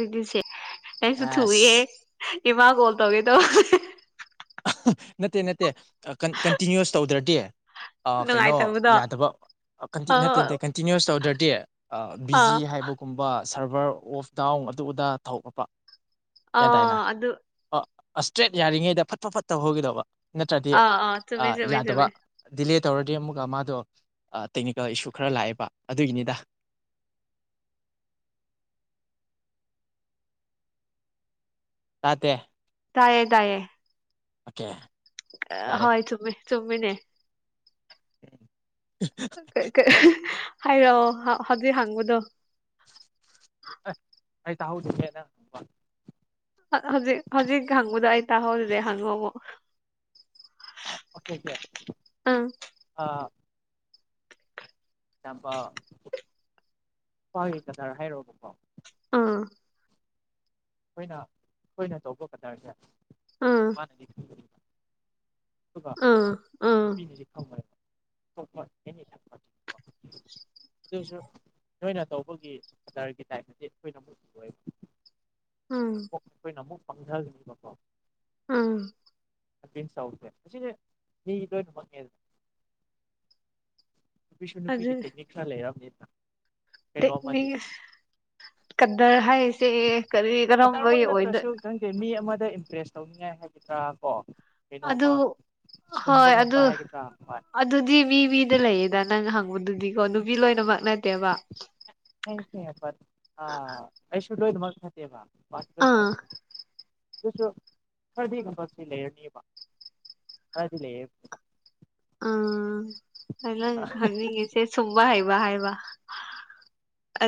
ꯑꯗꯨꯗꯤꯁꯦ ꯑꯩꯁꯨ ꯊꯨꯏꯌꯦꯦ ꯑꯁ ꯏꯃꯥ ꯀꯣꯜ ꯇꯧꯒꯦꯗꯣ ꯅꯠꯇꯦ ꯅꯠꯇꯦ ꯀꯟꯇꯤꯅ꯭ꯨꯁ ꯇꯧꯗ꯭ꯔꯗꯤ ꯀꯩꯅꯣ ꯅꯨꯡꯉꯥꯏꯇꯕꯗꯣ ꯌꯥꯗꯕ ꯅꯠꯇꯦ ꯑꯥ ꯅꯠꯇꯦ ꯀꯟꯇꯤꯅ꯭ꯨꯁ ꯇꯧꯗ꯭ꯔꯗꯤ ꯑꯥ ꯕꯤꯖꯤ ꯍꯥꯏꯕꯒꯨꯝꯕ ꯁꯚꯔ ꯑꯣꯐ ꯗꯥꯎꯟ ꯑꯗꯨ ꯑꯗꯥ ꯊꯂꯄ ꯑ ꯑꯗꯨ ꯑꯗꯨ ꯏꯁꯇ꯭ꯔꯦꯠ ꯌꯥꯔꯤꯉꯩꯗ ꯐꯠ ꯐ ꯐꯠꯇꯕ ꯍꯧꯈꯤꯗꯧꯕ ꯅꯠꯇ꯭ꯔꯗꯤ ꯑꯥ ꯑꯥ ꯆꯨꯝꯃꯦ ꯆꯨꯝꯃꯦ ꯌꯥꯗꯕ ꯆꯨꯝꯃꯦ ꯗꯤꯂꯦ ꯇꯧꯔꯗꯤ ꯑꯃꯨꯛꯀ ꯃꯥꯗꯣ ꯇꯦꯛꯅꯤꯀꯦꯜ ꯏꯁꯨ ꯈꯔ ꯂꯥꯛꯑꯦꯕ ꯑꯗꯨꯒꯤꯅꯤꯗ [inaudible] ꯇꯇ ꯇꯥꯏꯌꯦ ꯇꯌꯦ ꯑꯣꯀꯦ ꯌꯥꯔꯦ ꯍꯣꯏ ꯆꯨꯝꯃꯦ ꯆꯨꯝꯃꯤꯅꯦ ꯍꯥꯏꯔꯛꯑꯣ ꯍꯧꯖꯤꯛ ꯍꯥꯡꯕꯗꯣ ꯑꯁ ꯑꯩ ꯇꯥꯍꯧꯁꯤꯒꯦꯗꯪ ꯍꯧꯖꯤꯛ ꯍꯧꯖꯤꯛ ꯍꯥꯡꯕꯗ ꯑꯩ ꯇꯥꯍꯧꯔꯤꯗꯦ ꯍꯥꯡꯉꯨ ꯑꯃꯨ ꯑꯣꯀꯦ ꯀꯦꯦ ꯑꯥ ꯄꯥ ꯅꯨꯄꯥꯒꯤ ꯀꯗꯥꯔ ꯍꯥꯏꯔꯛꯕꯀꯣ ꯑꯥ ꯑꯩꯈꯣꯏꯅ ꯑꯩꯈꯣꯏꯅ ꯇꯧꯕ ꯀꯗꯥꯔꯁꯦ ꯃꯥꯅꯗꯤ ꯈꯟꯖꯔꯤ ꯑꯥ ꯑꯥ ꯅꯤ ꯑꯗꯨꯁꯨ ꯅꯣꯏꯅ ꯇꯧꯕꯒꯤꯔꯒꯤ ꯇꯥꯏꯞꯗꯤ ꯑꯩꯈꯣꯏꯅ ꯑꯃꯨꯛꯕ [unintelligible] ꯑꯩꯈꯣꯏꯅ ꯑꯃꯨꯛ ꯐꯪꯊꯍꯅꯤꯕꯀꯣ ꯑꯥ ꯑꯟ ꯁꯥꯎꯠꯁꯦ ꯑꯁꯤꯁꯦ ꯃꯤ ꯂꯣꯏꯅꯃꯛꯅꯦꯗꯅ ꯅꯨꯄꯤꯁꯨ ꯑꯗꯨ ꯅꯨꯄꯤꯒꯤꯦꯅꯤꯁꯥ ꯂꯩꯔꯝꯅꯤ ꯇꯦꯛꯅꯤꯛ ꯀꯗꯔ ꯍꯥꯏꯁꯦ ꯀꯔꯤ ꯀꯔꯝ ꯅꯠꯇ꯭ꯔꯁꯨ ꯈꯔꯝ ꯀꯩ ꯃꯤ ꯑꯃꯗ ꯏꯝꯄ꯭ꯔꯦꯁ ꯇꯧꯅꯤꯡꯉꯥꯏ ꯍꯥꯏꯒꯗ꯭ꯔꯥ ꯀꯣ ꯑꯗꯨ ꯀꯩꯅꯣꯝꯃ ꯁꯨꯝꯕ ꯍꯣꯏ ꯉꯝꯕ ꯑꯗꯨ ꯍꯥꯏꯒꯗ꯭ꯔꯥ ꯍꯣꯏ ꯑꯗꯨꯗꯤ ꯃꯤ ꯃꯤꯗ ꯂꯩꯌꯦꯗ ꯅꯪ ꯍꯪ ꯗꯨꯗꯤꯀꯣ ꯅꯨꯄꯤ ꯂꯣꯏꯅꯃꯛ ꯅꯠꯇꯦꯕ ꯐꯁꯋꯦꯗ ꯃꯊꯕ ꯑꯥ ꯁꯨ ꯁꯔꯗꯤ ꯈ ꯐꯁꯤ ꯂꯩꯔꯅꯤꯕ ꯑꯗꯨꯗ ꯂꯩꯦ ꯑꯂ ꯍꯥꯏꯁꯦ ꯁꯕ ꯍꯥꯏ ꯍꯥꯏꯕ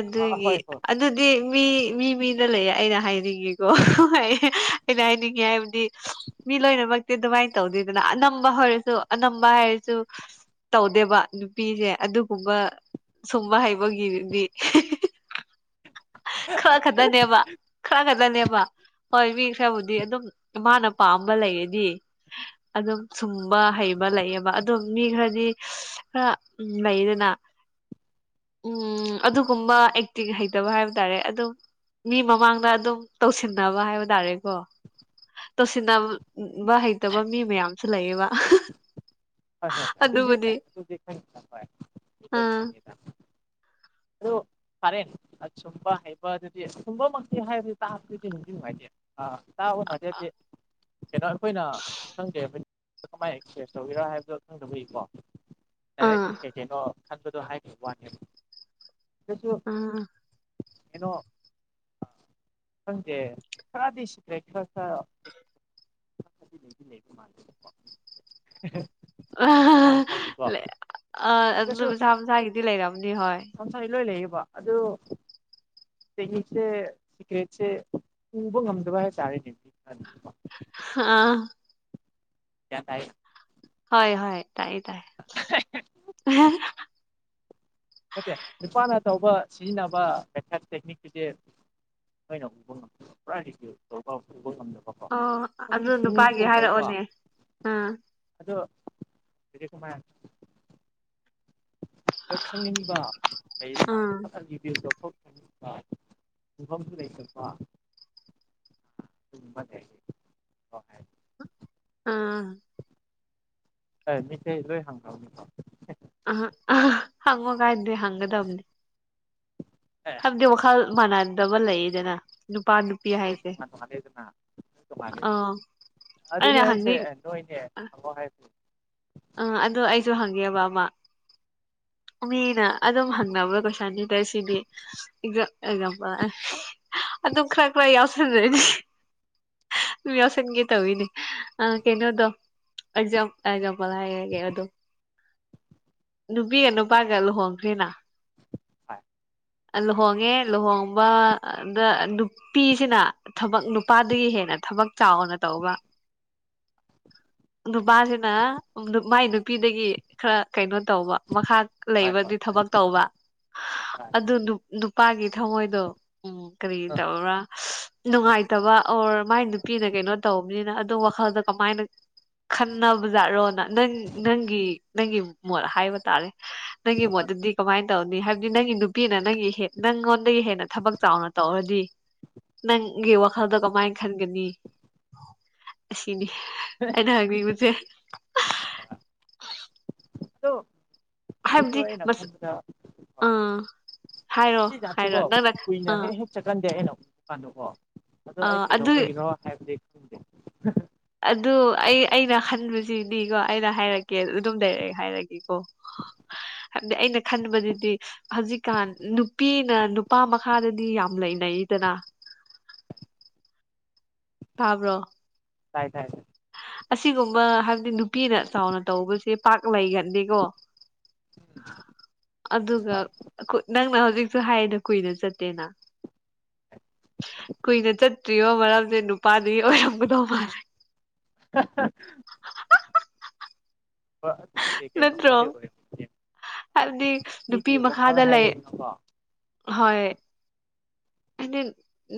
ꯑꯥ ꯍꯣꯏ ꯍꯣꯏ ꯍꯣꯏ ꯑꯗꯨꯗꯤ ꯃꯤ ꯃꯤ ꯃꯤꯅ ꯂꯩꯌꯦ ꯑꯩꯅ ꯍꯥꯏꯅꯤꯡꯉꯤꯀꯣ ꯑꯩꯅ ꯍꯥꯏꯅꯤꯡꯉꯤ ꯍꯥꯏꯕꯗꯤ ꯃꯤ ꯂꯣꯏꯅꯕ ꯑꯗꯨꯃꯥꯏꯅ ꯇꯧꯗꯦꯗꯅ ꯑꯅꯝꯕ ꯍꯥꯏꯔꯁꯨ ꯑꯅꯝꯕ ꯍꯥꯏꯔꯁꯨ ꯇꯧꯗꯦꯕ ꯅꯨꯄꯤꯁꯦ ꯑꯗꯨꯒꯨꯝꯕ ꯁꯨꯝꯕ ꯍꯩꯕꯒꯤꯗꯤ ꯈꯔ ꯈꯛꯇꯅꯦꯕ ꯈꯔ ꯈꯛꯇꯅꯦꯕ ꯍꯣꯏ ꯃꯤ ꯐꯕꯨꯗꯤ ꯑꯗꯨꯝ ꯃꯥꯥꯅ ꯄꯥꯝꯕ ꯂꯩꯔꯗꯤ ꯑꯗꯨꯝ ꯁꯨꯝꯕ ꯍꯩꯕ ꯂꯩꯌꯦꯕ ꯑꯗꯨꯝ ꯃꯤ ꯈꯔꯗꯤ ꯈꯔ ꯎ ꯂꯩꯗꯅ ꯎꯝ ꯑꯗꯨꯒꯨꯝꯕ ꯑꯦꯛꯇꯤꯛ ꯍꯩꯇꯕ ꯍꯥꯏꯕ ꯍꯥꯏ ꯇꯔꯦ ꯑꯗꯨꯝ ꯃꯤ ꯃꯃꯥꯡꯗ ꯑꯗꯨꯝ ꯇꯧꯁꯤꯟꯅꯕ ꯍꯥꯏꯕ ꯇꯥꯔꯦꯀꯣ ꯇꯧꯁꯤꯟꯅꯕ ꯍꯩꯇꯕ ꯃꯤ ꯃꯌꯥꯝꯁꯨ ꯂꯩꯌꯦꯕ ꯍꯣꯏ ꯑꯗꯨꯕꯨꯗꯤ ꯍꯣꯏ ꯍꯣꯏ ꯑꯗꯨ ꯑꯥ ꯑꯗꯨ ꯍ [inaudible] ꯐꯔꯦꯅꯦ ꯑ ꯁꯨꯝꯕ ꯍꯩꯕ ꯑꯗꯨꯗꯤ ꯁꯨꯝꯕꯃꯛꯇꯤ ꯍꯥꯏꯕꯗꯤ ꯇꯥꯄꯗꯤꯗꯤ ꯅꯨꯡꯉꯥꯏꯇꯦ ꯑ ꯆꯥꯕ ꯃꯗꯗꯤ ꯀꯩꯅꯣ ꯑꯩꯈꯣꯏꯅ ꯈꯪꯒꯦ ꯍꯥꯏꯕ ꯀꯃꯥꯏꯅ ꯑꯦꯛꯁꯄ꯭ꯔꯦꯁ ꯇꯧꯕꯤꯔꯥ ꯍꯥꯏꯕ ꯈꯪꯗꯕꯨꯏꯀꯣ ꯗꯥꯏꯔꯦꯛ ꯑꯥ ꯀꯩꯀꯩꯅꯣ ꯈꯟꯕꯗꯣ ꯍꯥꯏꯈꯤꯕ ꯋꯥꯅꯦꯕ ꯑꯗꯨꯁꯨ ꯑꯥ ꯀꯩꯅꯣ ꯗꯦ ꯈ꯭ꯔꯗꯁ꯭ꯔꯦ ꯈ [inaudible] ꯑ ꯑꯗꯨꯅ ꯑꯗꯨꯁꯨ ꯃꯁꯥ ꯃꯁꯥꯒꯤꯗꯤ ꯂꯩꯔꯝꯅꯤ ꯍꯣꯏ ꯕꯥ ꯑꯗꫭ ꯆꯍꯤꯁꯦ ꯁꯤꯀ꯭ꯔꯦꯠꯁꯦ ꯄꯨꯕ ꯉꯝꯗꯕ ꯍꯥꯏꯇꯥꯔꯦꯅꯦꯗꯤ ꯑꯥ ꯒ꯭ꯌꯥꯟ ꯇꯥꯏ ꯍꯣꯏ ꯍꯣꯏ ꯇꯥꯏꯌꯦ ꯇꯥꯏ ꯑꯆꯧꯕ ꯁꯤꯖꯤꯟꯅꯕ ꯃꯦꯊꯠ ꯇꯦꯛꯅꯤꯛꯁꯤꯗꯤ ꯀꯣꯏ ꯎꯕ ꯉꯝꯗꯕ ꯎꯕ ꯉꯝꯗꯕꯀꯣ ꯑꯣ ꯈꯪꯗꯤ ꯑꯗꯨ ꯅꯨꯄꯥꯒꯤ ꯈꯪꯅꯤꯡꯒꯨꯝ ꯇꯧꯕ ꯍꯥꯏꯔꯛꯑꯣꯅꯦ ꯑꯥ ꯑꯗꯣ ꯑꯗꯩ ꯀꯃꯥꯏ ꯈꯪꯅꯤꯡꯕ ꯂꯩꯗꯅ ꯑꯥ ꯐꯠ ꯑꯒꯤꯕꯤ ꯐꯝ ꯐꯝꯁꯨ ꯂꯩꯇꯕ ꯅꯦ ꯑꯥ ꯍꯣꯏ ꯃꯤꯇꯩ ꯂꯣꯏ ꯍꯪꯈ꯭ꯔꯕꯅꯦꯀꫭ ꯑꯍꯥ ꯍꯪꯉꫭ ꯀꯥꯏꯗꯦ ꯍꯪꯒꯗꯕꯅꯤ ꯑꯦ ꯍꯥꯏꯕꯗꯤ ꯋꯥꯈꯜ ꯃꯥꯟꯅꯗꯕ ꯂꯩꯗꯅ ꯅꫭꯏꯗꯤ ꯇꫭꯉꯥꯟ ꯇꫭꯉꯥꯟ ꯗꯩ ꯗꯅ ꯑꯥ ꯑꯩꯅ ꯑꯗꯨꯅꯦ ꯍꯥꯏꯁꯦ ꯍꯪꯅꯤꯡ ꯅꯣꯏꯅꯦ ꯑꯃꯨꯛ ꯍꯥꯏꯁꯦ ꯑ ꯑꯗꯨ ꯑꯩꯁꯨ ꯍꯪꯒꯦꯕ ꯑꯃ ꯃꯤꯅ ꯑꯗꯨꯝ ꯍꯪꯅꯕ ꯀꯣꯏꯁꯟꯅꯤꯗ ꯁꯤꯗꯤ ꯑꯦꯛꯖꯥꯝꯄꯜ ꯑꯗꯨꯝ ꯈꯔ ꯈꯔ ꯌꯥꯎꯁꯤꯜꯂꯗꯤ ꯃꯤ ꯌꯥꯎꯁꯤꯟꯒꯦ ꯇꯧꯋꯤꯅꯦ ꯑ ꯀꯩꯅꯣꯗꯣ ꯑꯖꯥꯝ ꯑꯖꯥꯝꯄꯜ ꯍꯥꯏꯔꯒꯦ ꯑꯗꯨꯝ ꯅꯨꯄꯤꯒ ꯅꯨꯄꯥꯒ ꯂꯨꯍꯣꯡꯈ꯭ꯔꯦꯅ ꯍꯣꯏ ꯂꯨꯍꯣꯡꯉꯦ ꯂꯨꯍꯣꯡꯕꯗ ꯅꯨꯄꯤꯁꯤꯅ ꯊꯕꯛ ꯅꯨꯄꯥꯗꯒꯤ ꯍꯦꯟꯅ ꯊꯕꯛ ꯆꯥꯎꯅ ꯇꯧꯕ ꯅꯨꯄꯥꯁꯤꯅ ꯃꯥꯏ ꯅꯨꯄꯤꯗꯒꯤ ꯈꯔ ꯀꯩꯅꯣ ꯇꯧꯕ ꯃꯈꯥ ꯍꯣꯏ ꯍꯣꯏ ꯂꯩꯕꯗꯤ ꯊꯕꯛ ꯇꯧꯕ ꯍꯣꯏ ꯑꯗꯨ ꯅꯨꯄꯥꯒꯤ ꯊꯃꯣꯏꯗꯣ ꯎꯝ ꯀꯔꯤ ꯍꯣꯏ ꯇꯧꯕ꯭ꯔꯥ ꯅꯨꯡꯉꯥꯏꯇꯕ ꯑꯣꯔ ꯃꯥꯏ ꯅꯨꯄꯤꯅ ꯀꯩꯅꯣ ꯇꯧꯕꯅꯤꯅ ꯑꯗꯨ ꯋꯥꯈꯜꯗ ꯀꯃꯥꯏꯅ ꯈꯟꯅꯕꯖꯥꯠꯔꯣꯅ ꯅꯪ ꯅꯪꯒꯤ ꯅꯪꯒꯤ ꯃꯣꯠ ꯍꯥꯏꯕ ꯇꯥꯔꯦ ꯅꯪꯒꯤ ꯃꯣꯠꯇꯗꯤ ꯀꯃꯥꯏꯅ ꯇꯧꯅꯤ ꯍꯥꯏꯕꯗꯤ ꯅꯪꯒꯤ ꯅꯨꯄꯤꯅ ꯅꯪꯒꯤ ꯍꯦ ꯅꯪꯉꯣꯟꯗꯒꯤ ꯍꯦꯟ ꯊꯕꯛ ꯆꯥꯎꯅ ꯇꯧꯔꯗꯤ ꯅꯪꯒꯤ ꯋꯥꯈꯜꯗꯣ ꯀꯃꯥꯏꯅ ꯈꯟꯒꯅꯤ ꯑꯁꯤꯅꯤ ꯑꯩꯅ ꯍꯥꯏꯕꯤꯕꯁꯦ ꯍꯣꯏ ꯍꯣꯏ ꯑꯗꫭ ꯍꯥꯏꯕꯗꯤ ꯃꯁ ꯍꯣꯏ ꯍꯣꯏ ꯑꯥ ꯍꯥꯏꯔꯣ ꯁꯤ ꯆꯁꯦ ꯍꯥꯏꯔꯣ ꯀꯣ ꯅꯪꯅ ꯑꯥ ꯀꯨꯏꯅꯍꯦ ꯍꯦ ꯆꯀꯥꯟꯗ ꯍꯥꯏꯅꯣ ꯀꯥꯟꯗꯣꯀꫭ ꯑꯗꯣ ꯑꯥ ꯑꯩ ꯑꯗꯨ ꯀꯩꯗꯧꯕꯒꯤꯔꯣ ꯍꯥꯏꯕꯗꯤ ꯈꯪꯗꯦ ꯑꯗꯨ ꯑꯩ ꯑꯩꯅ ꯍꯟꯕꯁꯤꯅꯤꯀꯣ ꯑꯩꯅ ꯍꯥꯏꯔꯛꯀꯦ ꯑꯗꯨꯝ ꯂꯩꯔꯛꯑꯦ ꯍꯥꯏꯔꯒꯦꯀꯣ ꯍꯥꯏꯕꯗꯤ ꯑꯩꯅ ꯈꯟꯕꯗꯨꯗꯤ ꯍꯧꯖꯤꯛꯀꯥꯟ ꯅꯨꯄꯤꯅ ꯅꯨꯄꯥ ꯃꯈꯥꯗꯗꯤ ꯌꯥꯝ ꯂꯩꯅꯩ ꯗꯅ ꯇꯥꯕ꯭ꯔꯣ ꯍꯥꯏ ꯇꯥꯏ ꯇꯥꯏ ꯑꯁꯤꯒꯨꯝꯕ ꯍꯥꯏꯕꯗꯤ ꯅꯨꯄꯤꯅ ꯆꯥꯎꯅ ꯇꯧꯕꯁꯦ ꯄꯥꯛ ꯂꯩꯒꯟꯅꯗꯦꯀꯣ ꯑꯗꯨꯒ ꯑꯈꫭꯏ ꯅꯪꯅ ꯍꯧꯖꯤꯛꯁꯨ ꯍꯥꯏꯌꯦꯅ ꯀꯨꯏꯅ ꯆꯠꯇꯦꯅ ꯀꯨꯏꯅ ꯆꯠꯇ꯭ꯔꯤꯕ ꯃꯔꯝꯗꯤ ꯅꯨꯄꯥꯗꯨꯒꯤ ꯑꯣꯏꯔꯝꯒꯗꯧ ꯃꯥꯜꯂꯦ [inaudible] ꯍꯪꯦ ꯀꯩꯅꯩꯅꯣ ꯃ ꯅꯠꯇ꯭ꯔꯣ ꯑꯣꯏꯔ ꯍꯥꯏꯕꯗꯤ ꯅꯨꯄꯤ ꯃꯈꯥꯗ ꯂꯩ ꯍꯣꯏ ꯍꯥꯏꯗꯤ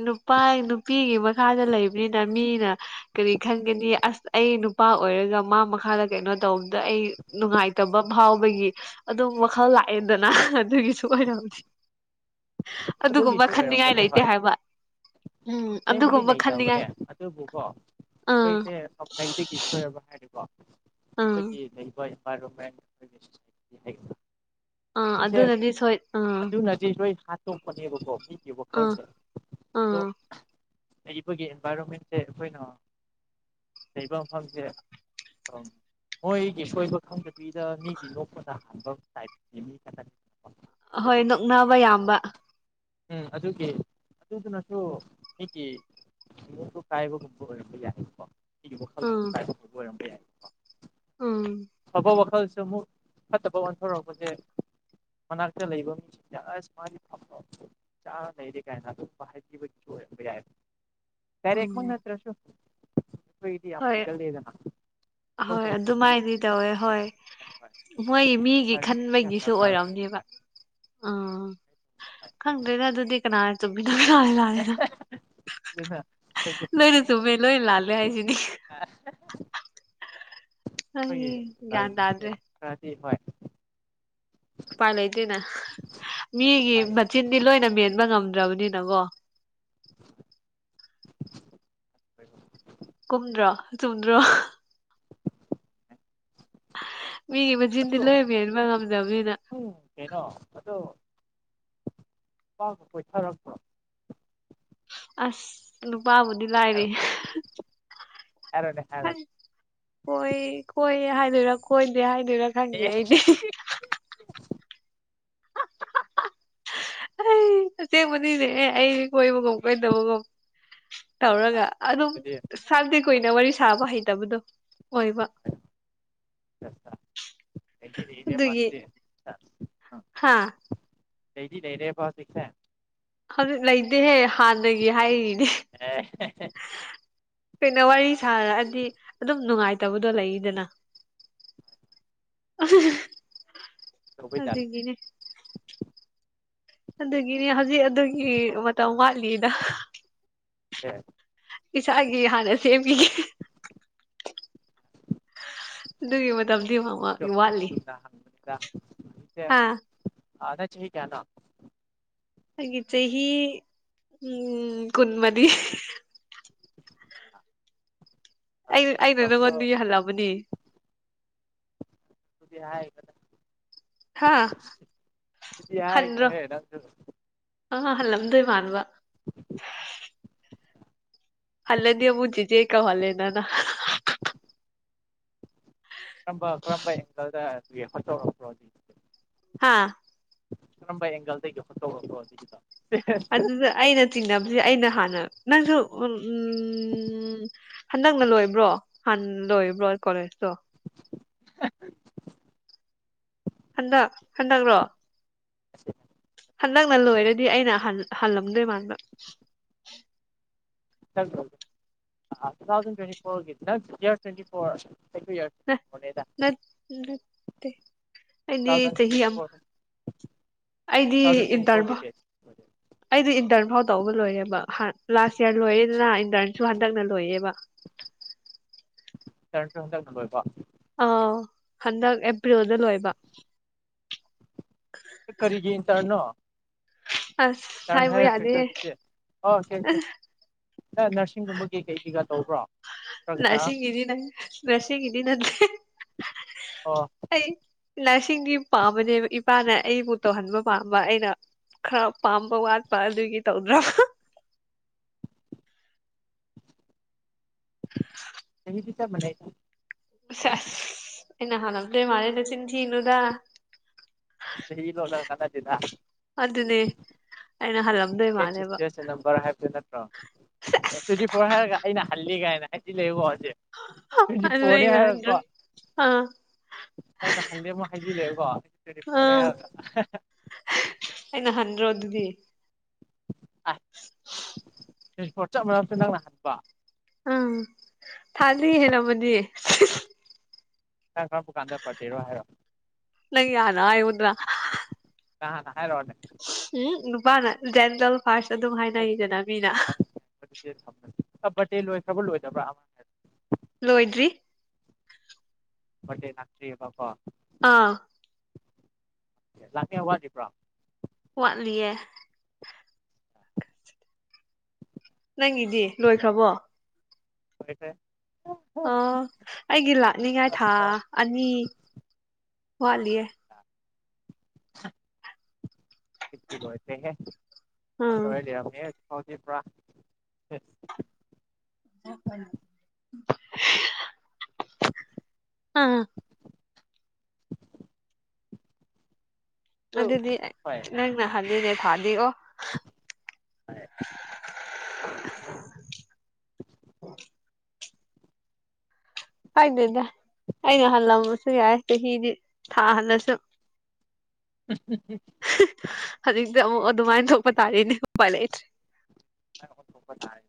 ꯅꯨꯄꯥ ꯅꯨꯄꯤꯒꯤ ꯃꯈꯥꯗ ꯂꯩꯕꯅꯤꯅ ꯃꯤꯅ ꯀꯔꯤ ꯈꯪꯒꯅꯤ ꯑꯁ ꯑꯩ ꯅꯨꯄꯥ ꯑꯣꯏꯔꯒ ꯃꯥ ꯃꯈꯥꯗ ꯀꯩꯅꯣ ꯇꯧꯕꯗ ꯑꯩ ꯅꯨꯡꯉꯥꯏꯇꯕ ꯐꯥꯎꯕꯒꯤ ꯑꯗꯨꯝ ꯋꯥꯈꯜ ꯂꯥꯛꯑꯦꯗꯅ ꯑꯗꯨꯒꯤꯁꯨ ꯑꯣꯏꯅ ꯍꯧꯗꯤ ꯑꯗꯨꯒꯨꯝꯕ ꯑꯗꯨꯒꯤꯁꯨ ꯈꯟꯅꯤꯡꯉꯥꯏ ꯑꯣꯏꯔꯝꯒꯅꯤ ꯂꯩꯇꯦ ꯍꯣꯏ ꯍꯥꯏꯕ ꯎꯝ ꯑꯁꯦꯡꯕꯗꯤ ꯑꯗꯨꯒꯨꯝꯕ ꯈꯟꯅꯤꯡꯉꯥꯏ ꯂꯩꯇꯕꯅꯦ ꯑꯗꯨꯕꯨꯀꯣ ꯑꯥ ꯑꯩꯈꯣꯏꯁꯦꯈꯩꯗꯒꯤ ꯁꯣꯏꯔꯕ ꯍꯥꯏꯔ ꯑꯥ ꯑꯩꯈꯣꯏꯒꯤ ꯂꯩꯔꯤꯕ ꯏꯟꯚꯥꯏꯔꯣꯟꯃꯦꯟ ꯑꯩꯈꯣꯏꯒꯤꯁꯇ ꯍꯥꯏꯒꯗ꯭ꯔꯥ ꯑꯥ ꯁꯤꯁꯦ ꯑꯗꯨꯅꯗꯤ ꯁꯣꯏ ꯑꯥ ꯑꯗꯨꯅꯗꯤ ꯂꯣꯏ ꯍꯥꯠꯇꯣꯛꯄꯅꯦꯕꯀꯣ ꯑ ꯑꯥ ꯂꯩꯔꯤꯕꯕꯒꯤ ꯏꯟꯚꯥꯏꯔꯣꯟꯃꯦꯟꯁꯦ ꯑꯩꯈꯣꯏꯅ ꯂꯩꯕ ꯃꯐꯝꯁꯦ ꯃꯣꯏꯒꯤ ꯑꯁꯣꯏꯕ ꯈꯪꯗ ꯃꯤꯗ ꯃꯤꯒꯤ ꯌꯣꯛꯄꯗ ꯍꯥꯟꯕ ꯇꯥꯏ ꯃꯤ ꯈ ꯑꯍꯣꯏ ꯅꯣꯛꯅꯕ ꯌꯥꯝꯕ ꯎꯝ ꯑꯗꯨꯒꯤ ꯑꯗꯨꯗꯨꯅꯁꯨ ꯀꯥꯏꯕ ꯍꯥꯏ ꯑꯩꯒꯤ ꯋꯥꯈꯜꯁꯨ ꯎꯝ ꯀꯥꯏꯕꯄꯕ ꯑꯣꯏꯔꯝꯕ ꯌꯥꯏ ꯎꯝ ꯑꯐꯕ ꯋꯥꯈꯜꯁꯨ ꯑꯃꯨꯛ ꯐꯠꯇꯕ ꯑꯣꯟꯊꯣꯔꯛꯄꯅꯦꯦ ꯃꯅꯥꯛꯇ ꯂꯩꯕ ꯃꯤꯁꯤꯡꯁ ꯃꯥꯒꯤ ꯆꯥ ꯂꯩꯔꯦ ꯀꯥꯏꯅ ꯑꯗꯨ ꯍꯥꯏꯕꯒꯤ ꯌꯥ ꯇꯔꯃ ꯎꯝ ꯅꯠꯇ꯭ꯔꯁꯨ ꯌꯥꯝꯃ ꯍꯣꯏ ꯍꯦꯛꯒꯦꯜꯗꯤꯦꯗꯅ ꯍꯣꯏ ꯑꯗꯨꯃꯥꯏꯗꯤ ꯇꯧꯋꯦ ꯍꯣꯏ ꯍꯣꯏ ꯍꯣꯏ ꯃꯣꯏ ꯃꯤꯒꯤ ꯏꯟꯚꯥꯏꯔꯣꯟꯃꯦꯟꯁꯦ ꯌꯥꯝ ꯈꯟꯕꯒꯤꯁꯨ ꯗꯔꯀꯥꯔ ꯑꯣꯏ ꯑꯣꯏꯔꯝꯅꯦꯕ ꯎꯥ ꯈꯪꯗꯅꯦ ꯑꯗꯨ ꯑꯗꯨꯗꯤ ꯀꯅꯥ ꯆꯨꯝꯃꯤ ꯅꯣꯏ ꯂꯥꯛꯂꯦ ꯂꯥꯜꯂꯦꯗ ꯑꯗꯨꯅ ꯑꯩꯈꯣꯏꯁꯦ ꯂꯣꯏꯅ ꯆꯨꯝꯃꯦ ꯂꯣꯏꯅ ꯂꯥꯜꯂꯦ ꯍꯥꯏꯁꯤꯅꯤ ꯑꯩ ꯑꯩꯈꯣꯏꯒꯤ ꯒ꯭ꯌꯥꯟ ꯇꯥꯗ꯭ꯔꯦ ꯏꯟꯚꯥꯏꯔꯣꯟꯃꯦꯟꯁꯦ ꯈꯔꯗꯤꯤ ꯍꯣꯏ ꯎꯄꯥꯏ ꯂꯩꯇꯦꯅ ꯃꯤꯒꯤ ꯎꯄꯥꯏ ꯂꯩꯇꯕ ꯃꯆꯤꯟꯗꯤ ꯂꯣꯏꯅ ꯃꯦꯟꯕ ꯉꯝꯗ ꯔꯧꯅꯤ ꯅꯒꯣ [inaudible] ꯀꯨꯝꯗ꯭ꯔꯣ ꯆꯨꯝꯗ꯭ꯔꯣ [inaudible] ꯃꯤꯒꯤ ꯃꯆꯤꯟꯗꯤ ꯑꯗꯨ ꯂꯣꯏꯔꯝ ꯍꯟꯕ ꯉꯝꯗꯕꯅꯤꯅ ꯎꯝ ꯀꯩꯅꯣ ꯀꯣꯏꯊꯔꯛꯄꯣ ꯑꯁ ꯅꯨꯄꯥꯕꯨꯗꯤ ꯂꯥꯏꯔ ꯍꯥꯏꯔꯣꯅꯦ ꯍꯥꯏꯔꯣꯅꯦ ꯀꯣꯏ ꯀꯣꯏ ꯍꯥꯏꯗꯣꯏꯔꯥ ꯀꯣꯏꯗꯦ ꯍꯥꯏ ꯔ ꯑꯦ ꯊꯪꯗꯗꯤ ꯑꯩ ꯑꯁꯦꯡꯕꯅꯤꯅꯦꯦ ꯑꯦ ꯑꯩ ꯀꯣꯏꯕꯒꯨꯝ ꯀꯣꯏꯗꯕꯒꯨꯝ ꯑꯥ ꯇꯧꯔꯒ ꯑꯗꯨꯝ ꯑꯗꯨꯗꯤ ꯁꯥꯟꯇꯤ ꯀꯨꯏꯅ ꯋꯥꯔꯤ ꯁꯥꯕ ꯍꯩꯇꯕꯗꯣ ꯑꯣꯏꯕ ꯂꯩꯗꯤ ꯂꯩꯔꯦꯕ ꯎꯗꯨꯒꯤ ꯑꯗꯨꯗꯤ ꯍꯥꯥ ꯂꯩꯩꯇ ꯂꯩꯩꯔꯦ ꯐꯥꯎ ꯁꯤꯛꯁꯦ ꯍꯧꯖꯤꯛ ꯂꯩꯇꯦꯍꯦ ꯍꯥꯟꯅꯗꯒꯤ ꯍꯥꯏꯔꯤꯅꯦ ꯑꯦ ꯀꯩꯅꯣ ꯋꯥꯔꯤ ꯁꯥꯔꯛꯑꯗꯤ ꯑꯗꯨꯝ ꯅꯨꯡꯉꯥꯏꯇꯕꯗꯣ ꯂꯩꯗꯅ ꯇꯧꯕꯩꯖꯥꯠꯂꯣ ꯑꯗꯨꯗꯒꯤꯅꯦ ꯑꯗꯨꯒꯤꯅꯦ ꯍꯧꯖꯤꯛ ꯑꯗꯨꯒꯤ ꯃꯇꯝ ꯋꯥꯠꯂꯤꯗ ꯑꯦ ꯏꯁꯥꯒꯤ ꯍꯥꯟꯅ ꯁꯦꯝꯕꯤꯒꯦ ꯑꯗꯨꯒꯤ ꯃꯇꯝꯗꯤ ꯆꯨꯝ ꯆꯨꯝ ꯋꯥꯠꯂꯤ ꯆꯨꯝꯅ [inaudible] ꯍꯥꯥ ꯑꯗ ꯊ ꯀꯅ ꯑꯆ ꯍ ꯎꯝ ꯈꯨꯟ ꯃꯗꯤ ꯑꯩ ꯑꯩꯅ ꯃꯇꯝꯗꯣ ꯅꯪꯉꯣꯟꯗ ꯌꯥꯍꯜꯂꯛꯑꯕꯅꯤ ꯇꯗꯤ ꯍꯥꯏ ꯀꯗꯥ ꯍꯥ ꯌꯥꯏꯅ ꯍꯦ ꯔꯖ ꯑꯍꯜꯂꯝꯗꯣꯏ ꯃꯥꯟꯕ ꯍꯜꯗꯤ ꯃ ꯀ ꯍꯂꯦꯟ ꯅꯅ ꯀꯔꯝꯕ ꯀꯔꯝꯕ ꯑꯦꯡꯒꯜꯗꯠꯇꯗꯤ ꯍꯥꯥ ꯀꯔꯝꯕ ꯑꯦꯒꯗ ꯐꯇ ꯐꯗ ꯑꯗꯨꯗ ꯑꯩꯅ ꯆꯤꯡꯅꯕꯁꯦ ꯑꯩꯅ ꯍꯥꯟꯅ ꯅꯪꯁꯨ ꯎꯝ ꯍꯟꯗꯛꯅ ꯂꯣꯏꯕ꯭ꯔꯣ ꯍꯥꯟꯅ ꯂꯣꯏꯕ꯭ꯔꯣ ꯀꯣꯂꯦꯖꯇꯣ [unintelligible] ꯍꯟꯗꯛ ꯍꯟꯗꯛꯔꯣ ꯍꯟꯗꯛꯅ ꯂꯣꯏꯔꯗꯤ ꯑꯩꯅ ꯍꯜꯂꯝꯂꯝꯗꯦ ꯃꯥꯥꯟꯗ ꯇ ꯊꯥꯎꯖ꯭ꯋꯦꯟ ꯐ꯭ꯋꯦꯟ ꯐꯣꯔ ꯌꯗ ꯅꯠꯇꯦ ꯑꯩꯗꯤ ꯆꯍꯤ ꯑꯃ ꯆꯗꯅ ꯑꯩꯗꯤ ꯏꯟꯇꯔꯚꯥꯎ ꯕꯦꯠꯁ ꯑꯩꯗꯤ ꯏꯟꯇꯔꯐꯥꯎ ꯇꯒ ꯂꯣꯏꯔꯦꯕꯍꯥꯟ ꯂꯥꯁ ꯏꯔ ꯂꯣꯏꯌꯦꯦꯗꯅ ꯏꯟꯇꯔꯟꯁꯨ ꯍꯟꯗꯛꯅ ꯂꯣꯏꯌꯦꯕ ꯇꯔ ꯍꯗꯣꯕ ꯑꯥ ꯍꯟꯗꯛ ꯑꯦꯄ꯭ꯔꯤꯜꯗ ꯂꯣꯏꯕ ꯑꯁ ꯍꯥꯏꯕ ꯌꯥꯗꯦ ꯆꯦ ꯑꯣꯦꯡ ꯑꯦ ꯅꯔꯁꯤꯡꯒꯨꯝꯕ ꯀꯩ ꯀꯩ ꯀꯩꯀꯥ ꯇꯧꯕ꯭ꯔ ꯂꯁꯤꯒꯤ ꯏꯗꯤ ꯅꯪ ꯂꯁꯤꯒꯤꯗꯤ ꯅꯪꯗꯤ ꯑꯣ ꯑꯩ ꯂꯁ ꯏꯁꯤꯡꯒꯤ ꯄꯥꯝꯕꯅꯦ ꯏꯄꯥꯅ ꯑꯩꯕꯨ ꯇꯧꯍꯟꯕ ꯄꯥꯝꯕ ꯑꯩꯅ ꯈꯔ ꯄꯥꯝꯕ ꯋꯥꯠꯄ ꯑꯗꯨꯒꯤ ꯇꯧꯗ꯭ꯔꯕ ꯆꯍꯤꯍꯤꯗꯤ ꯆ ꯃꯅꯥꯏꯒ ꯏꯩꯅ ꯍꯅꯦ ꯃꯥꯦꯅ ꯆꯤꯟꯊꯅꯨꯗ ꯁ ꯂꯣꯂ ꯀꯗꯖꯤꯗ ꯑꯗꯨꯅꯦ ꯑꯩꯅ ꯍꯜꯂꯝꯗꯣꯏ ꯃꯥꯜꯂꯦꯕ ꯁꯤꯇꯁꯦ ꯅꯝꯕꯔ ꯍꯥꯏꯕꯗꯨꯣ ꯅꯠꯇ꯭ꯔꯣ ꯑꯦ ꯁꯦꯁ ꯇ꯭ꯋꯦꯟꯇꯤ ꯐꯣꯔ ꯍꯥꯏꯔꯒ ꯑꯩꯥꯏꯩꯅ ꯍꯜꯂꯤ ꯀꯥꯏꯅꯥꯏ ꯏ ꯂꯩꯕꯣꯁꯦ ꯇ꯭ꯋꯦꯟꯇꯤ ꯑꯗꯨ ꯐꯣꯔꯅꯤ ꯑꯩꯅ ꯍꯟꯗ꯭ꯔꯣ ꯍꯥꯏꯔꯀꯣ ꯑꯥ ꯅꯪꯗ ꯈꯜꯗꯤ ꯑꯃꯨꯛ ꯍꯥꯏꯖꯤꯜꯂꯦꯕ ꯑꯥ ꯑꯩꯅ ꯍꯟ꯭ꯔꯣ ꯑꯗꯨꯗꯤ ꯇꯄꯣꯔꯠ ꯆꯞ ꯃꯝꯁ ꯅꯪꯅꯍꯟꯕ ꯑꯝ ꯊꯥꯖ ꯍꯦꯃꯗꯤ ꯈ ꯀꯔꯄ ꯀꯥꯟꯗ ꯄꯗꯦꯔꯣ ꯍꯥꯏꯔꯣ ꯅꯪ ꯌꯥꯅꯥꯏꯎꯗ꯭ꯔꯥ ꯑ ꯍꯥꯏꯔ ꯋꯥꯗꯦ ꯎꯝ ꯅꯨꯄꯥꯅ ꯖꯦꯟꯗꯜ ꯐꯥꯔꯁ ꯑꯗꯨꯝ ꯍꯥꯏꯅꯩꯗꯅ ꯃꯤꯅ ꯕꯇꯦꯜ ꯂꯣꯏꯈ꯭ꯔꯕ ꯂꯣꯏꯗꯕ꯭ꯔꯥ ꯑꯃ ꯂꯣꯏꯗ꯭ꯔꯤ ꯦ ꯂꯆꯔꯤ ꯄꯄ ꯑꯥ ꯂꯥꯛꯀꯦ ꯋꯥꯗꯕ꯭ꯔꯣ ꯀꯠ ꯂꯌꯦ ꯅꯪꯒꯤꯗꯤ ꯂꯣꯏꯈ꯭ꯔꯕꯣ ꯀꯣꯏꯁꯦ ꯑ ꯑꯩꯒꯤ ꯂꯥꯛꯅꯤꯡꯉꯥꯏ ꯊꯥ ꯑꯅꯤ ꯋꯥꯠꯂꯤꯦ ꯂꯠꯇꯦ ꯍ ꯎꯝ ꯑꯣꯏꯥꯎ꯭ꯔ [unintelligible] ꯎꯝ ꯑꯗꯨꯗꯤ ꯍꯣꯏ ꯅꯪꯅꯍꯜꯂꯤꯅꯦ ꯐꯥꯗꯤ ꯑꯣ [inaudible] [inaudible] ꯍꯣꯏ ꯍꯥꯏꯗꯅꯦ ꯑꯩꯅ ꯍꯜꯂꯝꯕꯁꯨ ꯌꯥꯏ ꯆꯍꯤꯗꯤ ꯊꯥꯍꯜꯂꯁꯨ ꯎꯝ ꯎꯝ ꯎ ꯍꯧꯖꯤꯛꯇꯤ ꯑꯃꯨꯛ ꯑꯗꯨꯃꯥꯏꯅ ꯊꯣꯛꯄ ꯇꯥꯔꯤꯅꯦ ꯎꯄꯥ ꯂꯩꯇ꯭ꯔꯦ ꯍ ꯁꯄꯅ ꯍꯥꯏ